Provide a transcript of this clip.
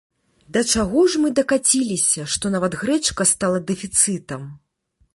Да чаго ж мы дакаціліся, што нават грэчка стала дэфіцытам?